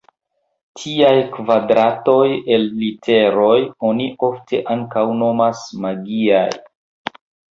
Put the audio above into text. Tiaj kvadratoj el literoj oni ofte ankaŭ nomas magiaj.